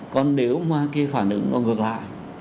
còn nếu mà cái phản ứng nó ngược lại